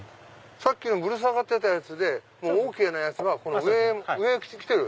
さっきのぶら下がってたやつでＯＫなやつは上へ来てる。